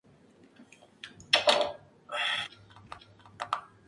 Vern, por su parte, tiene problemas de sobrepeso y es bastante cobarde.